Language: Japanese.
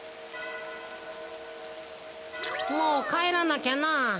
もうかえらなきゃなあ。